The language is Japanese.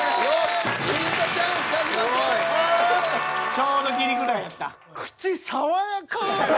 ちょうどギリぐらいやった。